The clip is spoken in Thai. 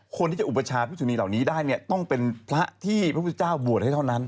คนที่จะอุปชาพุทธชนีเหล่านี้ได้เนี่ยต้องเป็นพระที่พระพุทธเจ้าบวชให้เท่านั้น